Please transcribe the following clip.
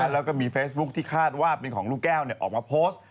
แล้วก็มีเฟซบุ๊คที่คาดว่าเป็นของลูกแก้วออกมาโพสต์